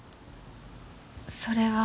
それは。